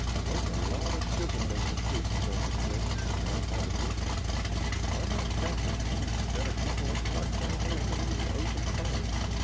There's a lot of sugar maple trees on your place, down by the brook. Why not tap 'em, and set a couple of pots b'ilin' over your open fire?